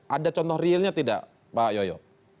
ada contoh realnya tidak pak yoyo